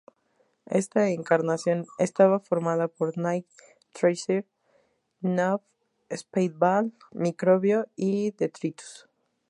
Esta encarnación estaba formada por: Night Thrasher, Nova, Speedball, Microbio y Detritus.